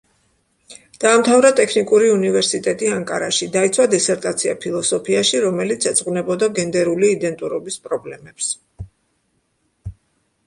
დაამთავრა ტექნიკური უნივერსიტეტი ანკარაში, დაიცვა დისერტაცია ფილოსოფიაში, რომელიც ეძღვნებოდა გენდერული იდენტურობის პრობლემებს.